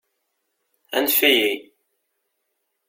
Anef-iyi!